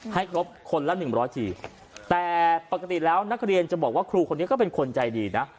ให้ครบคนละหนึ่งร้อยทีแต่ปกติแล้วนักเรียนจะบอกว่าครูคนนี้ก็เป็นคนใจดีนะ